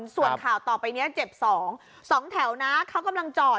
ส่วนข่าวต่อไปนี้เจ็บ๒๒แถวนะเขากำลังจอด